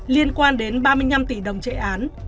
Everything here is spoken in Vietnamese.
liên quan đến ba mươi năm tỷ đồng chạy án